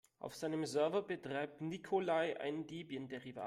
Auf seinem Server betreibt Nikolai ein Debian-Derivat.